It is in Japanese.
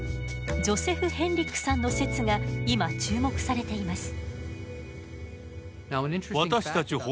ジョセフ・ヘンリックさんの説が今注目されています。